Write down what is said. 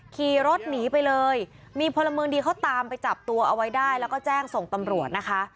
ขี่รถหนีไปเลยมีพลเมืองดีเขาตามไปจับตัวเอาไว้ได้แล้วก็แจ้งส่งตำรวจนะคะ